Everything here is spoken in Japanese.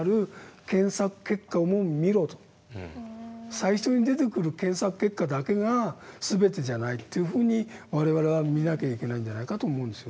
最初に出てくる検索結果だけが全てじゃないっていうふうに我々は見なきゃいけないんじゃないかと思うんですよね。